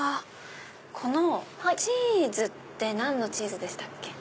このチーズって何のチーズでしたっけ？